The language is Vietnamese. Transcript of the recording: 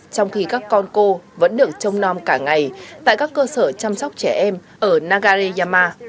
trong khi các con cô vẫn được trông non cả ngày tại các cơ sở chăm sóc trẻ em ở nagareyama